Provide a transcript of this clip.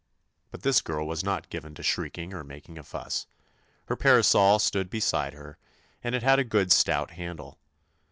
But this girl was not given to shriek ing or making a fuss. Her parasol stood beside her, and it had a good stout handle.